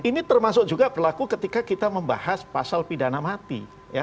ini termasuk juga berlaku ketika kita membahas pasal pidana mati